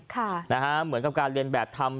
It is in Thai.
ค่ะนะฮะเหมือนกับการเรียนแบบทำ